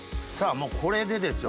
もうこれでですよ